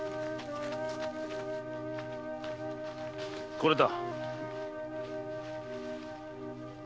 これだ！